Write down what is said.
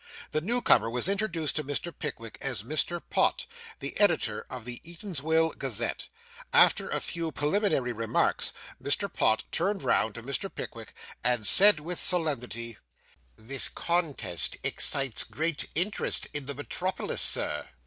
The new comer was introduced to Mr. Pickwick as Mr. Pott, the editor of the Eatanswill Gazette. After a few preliminary remarks, Mr. Pott turned round to Mr. Pickwick, and said with solemnity 'This contest excites great interest in the metropolis, sir?